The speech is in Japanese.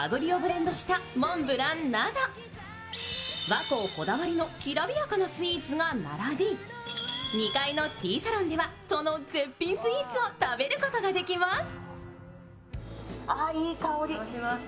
和光こだわりのきらびやかなスイーツが並び、２階のティーサロンではその絶品スイーツを食べることができます。